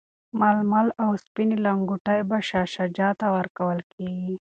ململ او سپیني لنګوټې به شاه شجاع ته ورکول کیږي.